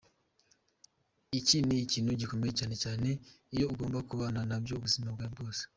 Iki ni ikintu gikomeye cyane cyane iyo ugomba kubana nabyo ubuzima bwawe bwose.